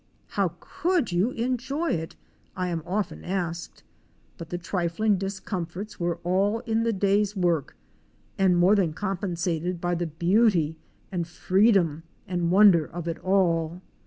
'How could you enjoy it?"? I am often asked: but the trifling discomforts were all in the day's work and more than compensated by the beauty and free dom and wonder of it all.